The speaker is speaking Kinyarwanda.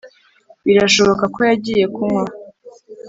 birashoboka ko yagiye kunywa